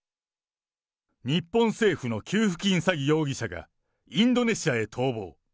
日本政府の給付金詐欺容疑者がインドネシアへ逃亡。